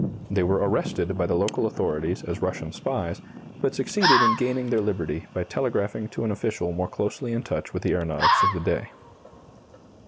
They were arrested by the local authorities as Russian spies, but succeeded in gaining their liberty by telegraphing to an official more closely in touch with the aeronautics of the day.